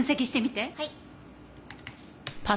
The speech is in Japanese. はい。